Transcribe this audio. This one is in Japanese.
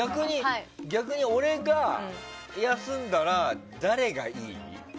逆に俺が休んだら誰がいい？